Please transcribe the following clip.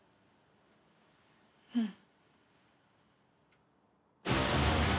うん。